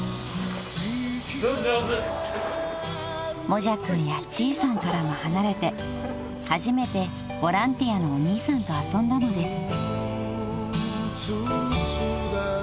［もじゃくんやちーさんからも離れて初めてボランティアのお兄さんと遊んだのです］